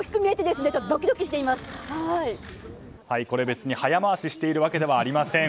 別に早回ししているわけではありません。